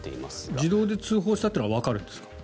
自動で通報したというのはわかるんですか？